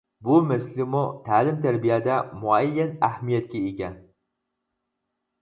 بۇ مەسىلىمۇ تەلىم-تەربىيەدە مۇئەييەن ئەھمىيەتكە ئىگە.